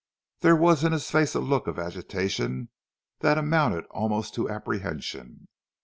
There was in his face a look of agitation that amounted almost to apprehension.